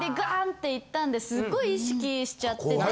っていったんですごい意識しちゃってて。